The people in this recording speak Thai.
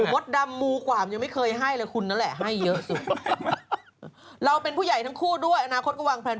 ผมไม่ได้ให้หวยนะ